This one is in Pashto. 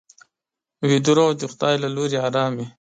ویده روح د خدای له لوري ارام وي